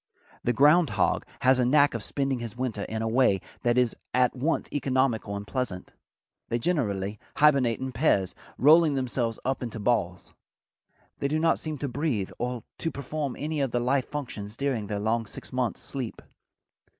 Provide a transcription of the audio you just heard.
The ground hog has a knack of spending his winter in a way that is at once economical and pleasant. They generally hibernate in pairs, rolling themselves up into balls. They do not seem to breathe or to perform any of the life functions during their long six months' sleep.